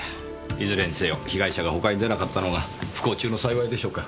いずれにせよ被害者が他に出なかったのが不幸中の幸いでしょうか。